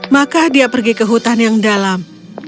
maka dia pergi ke hutan yang dalam